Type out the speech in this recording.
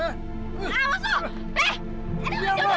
tolong ada keributan